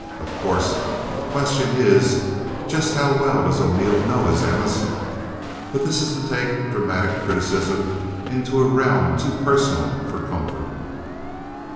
Of course, the question is just how well does O'Neill know his Emmas, but this is to take dramatic criticism into a realm too personal for comfort.